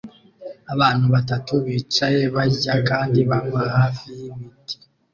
Abantu batatu bicaye barya kandi banywa hafi y'ibiti